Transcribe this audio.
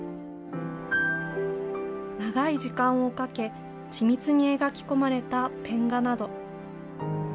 長い時間をかけ、緻密に描き込まれたペン画など。